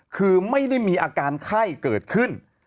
คือไม่ได้มีอาการไข้เกิดขึ้น